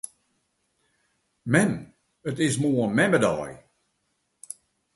Mem! It is moarn memmedei.